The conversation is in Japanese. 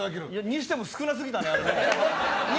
にしても少なすぎたね、あれね。